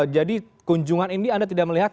jadi kunjungan ini anda tidak melihat